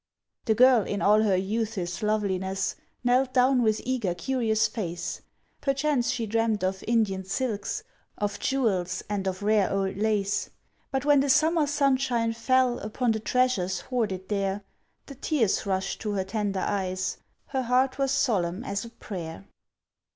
The girl, in all her youth's loveliness, Knelt down with eager, curious face; Perchance she dreamt of Indian silks, Of jewels, and of rare old lace. But when the summer sunshine fell Upon the treasures hoarded there, The tears rushed to her tender eyes, Her heart was solemn as a prayer.